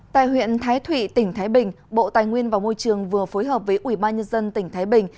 tại huyện thái thụy tỉnh thái bình bộ tài nguyên và môi trường vừa phối hợp với ubnd tỉnh thái bình